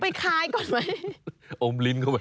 คล้ายก่อนไหมอมลิ้นเข้าไป